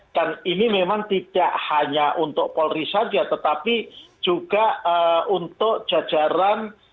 dan ini memang tidak hanya untuk polri saja tetapi juga untuk jajaran